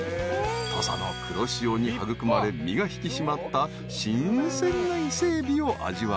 ［土佐の黒潮に育まれ身が引き締まった新鮮な伊勢エビを味わえる］